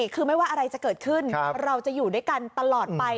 คือไม่ว่าอะไรจะเกิดขึ้นเราจะอยู่ด้วยกันตลอดไป